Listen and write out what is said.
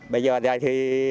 bây giờ thì ổn rồi anh